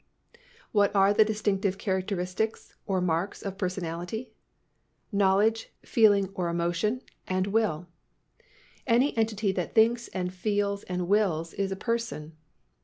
_ What are the distinctive characteristics, or marks, of personality? Knowledge, feeling or emotion, and will. Any entity that thinks and feels and wills is a person.